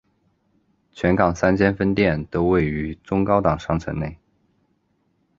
全港三间分店都位于中高档商场内。